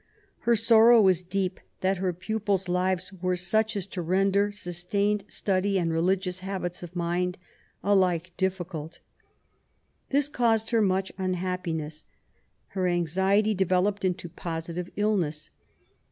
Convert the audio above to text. Her sorrow was deep that her pupils' lives were such as to render sustained study and and religious habits of mind alike difficult. This caused her much unhappiness. Her anxiety developed into positive illness.